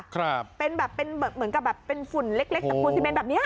ครับเป็นแบบเป็นเหมือนกับแบบเป็นฝุ่นเล็กตะปูซิเมนแบบเนี้ย